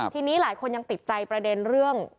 ทีนี้หลายคนยังติดใจประเด็นเรื่อง